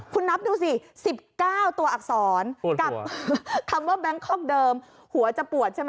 คุณนับดูสิ๑๙ตัวอักษรกับคำว่าแบงคอกเดิมหัวจะปวดใช่ไหม